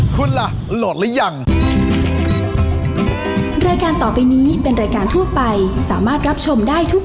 คุณล่ะโหลดหรือยัง